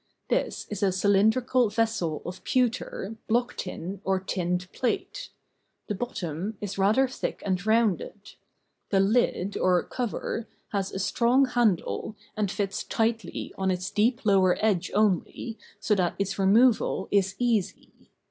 This is a cylindrical vessel of pewter, block tin, or tinned plate ; the bottom is rather thick and rounded ; the lid, or cover, has a strong handle, and fits tightly on its deep lower edge only, so that its removal is easy.